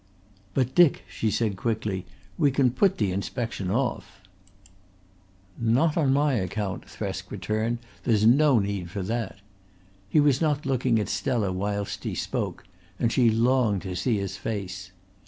"But, Dick," she said quickly, "we can put the inspection off." "Not on my account," Thresk returned. "There's no need for that." He was not looking at Stella whilst he spoke and she longed to see his face.